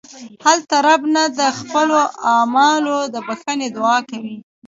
هلته رب نه د خپلو اعمالو د بښنې دعا کوئ.